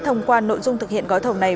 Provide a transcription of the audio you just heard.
thông qua nội dung thực hiện gói thầu này